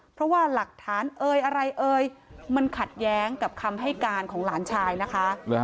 เพราะว่าหลักฐานเอ่ยอะไรเอ่ยมันขัดแย้งกับคำให้การของหลานชายนะคะ